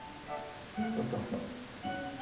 合ってますか？